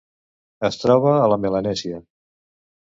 Es troba a la Melanèsia: